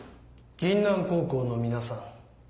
銀杏高校の皆さん。